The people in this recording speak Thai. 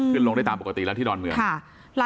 ลงได้ตามปกติแล้วที่ดอนเมือง